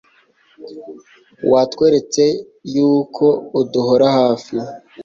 watweretse y'uko uduhora hafi